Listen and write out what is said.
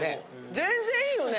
全然いいよね。